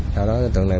sau đó đối tượng này